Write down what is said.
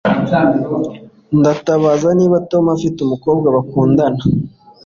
Ndabaza niba Tom afite umukobwa bakundana